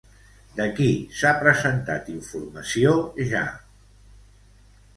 De qui s'ha presentat informació ja?